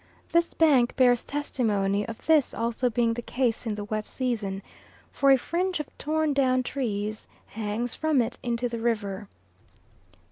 This bank bears testimony of this also being the case in the wet season, for a fringe of torn down trees hangs from it into the river.